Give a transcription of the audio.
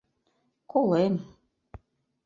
Колем...